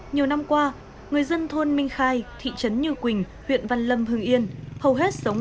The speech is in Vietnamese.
nhiều năm qua người dân thôn minh khai thị trấn như quỳnh huyện văn lâm hưng yên hầu hết sống